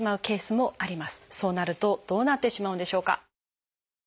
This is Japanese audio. そうなるとどうなってしまうんでしょうか？